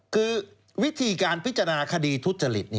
คือวิธีการพิจารณาคดีทุจริต